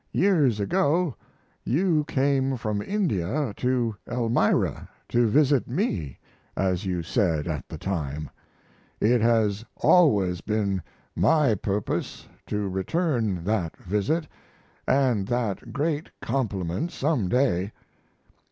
Years ago you came from India to Elmira to visit me, as you said at the time. It has always been my purpose to return that visit & that great compliment some day.